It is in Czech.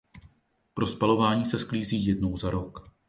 Pro spalování se sklízí jednou za rok.